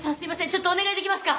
ちょっとお願いできますか。